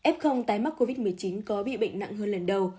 f tái mắc covid một mươi chín có bị bệnh nặng hơn lần đầu